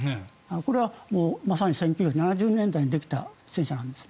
これはまさに１９７０年代にできた戦車なんです。